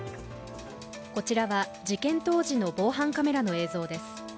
こちらは事件当時の防犯カメラの映像です。